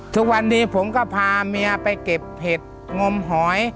ทุกวันนี้ผมก็พาเมียไปเก็บเห็ดงมหอย